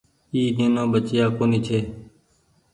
اي نينو ٻچئيآ ڪونيٚ ڇي۔